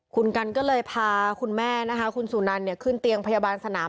คุณกัลก็เลยพาคุณแม่คุณสู่นานขึ้นเตียงพยาบาลสนาม